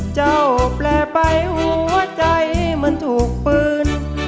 เจ้าแปลไปหัวใจมันถูกปืน